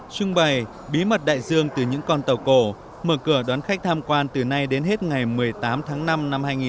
trưng bày bí mật đại dương từ những con tàu cổ mở cửa đón khách tham quan từ nay đến hết ngày một mươi tám tháng năm năm hai nghìn hai mươi